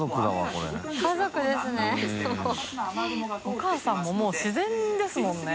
お母さんももう自然ですもんね。